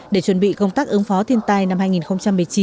để chuẩn bị công tác ứng phó thiên tai năm hai nghìn một mươi chín